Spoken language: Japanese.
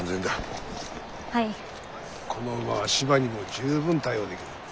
この馬は芝にも十分対応できる。